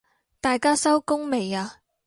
大家收工未啊？